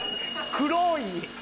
黒い。